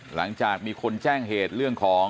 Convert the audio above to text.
หลังจากมีคนแจ้งเหตุเรื่องของ